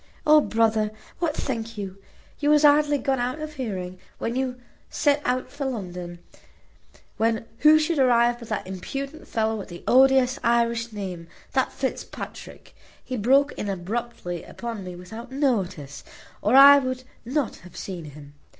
O brother, what think you? You was hardly gone out of hearing, when you set out for London, when who should arrive but that impudent fellow with the odious Irish name that Fitzpatrick. He broke in abruptly upon me without notice, or I would not have seen him.